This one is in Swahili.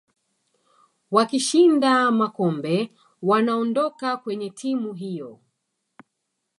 wakishinda makombe wanaondoka kwenye timu hiyo